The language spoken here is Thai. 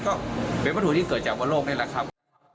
ก็เป็นวัตถุที่เกิดจากบนโลกนี่แหละครับ